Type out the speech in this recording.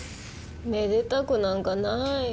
めでたくなんかない。